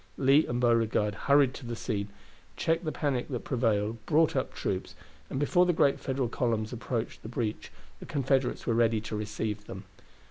Lee and Beauregard hurried to the scene, checked the panic that prevailed, brought up troops, and before the great Federal columns approached the breach the Confederates were ready to receive them.